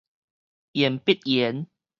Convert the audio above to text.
鉛筆鉛